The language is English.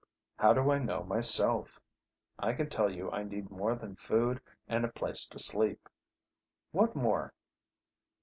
How do I know myself? I can tell you I need more than food and a place to sleep " "What more?"